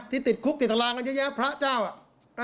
ติดคุกติดตารางกันเยอะแยะพระเจ้าอ่ะ